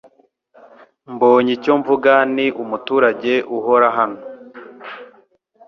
Mbonyicyomvuga ni umuturage uhora hano .